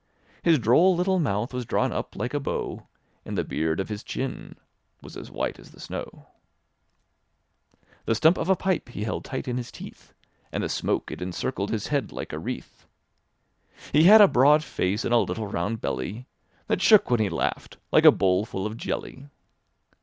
His droll little mouth was drawn up like a bow. And the beard of his chin was as white as the snow; The stump of a pipe he held tight in his teeth, And the smoke it encircled his head like a wreath; ITe had a broad face and a round little belly. That shook vhen he laughed like a bowlful of jelly.